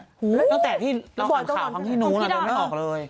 ตั้งแต่ที่เรากำขาดทางที่นู้นเราไม่ได้ออกเลย